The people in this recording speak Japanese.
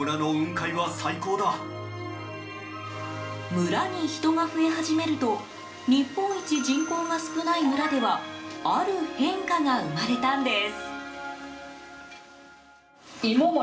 村に人が増え始めると日本一人口が少ない村ではある変化が生まれたんです。